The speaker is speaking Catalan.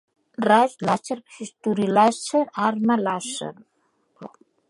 Raig làser, bisturí làser, arma làser.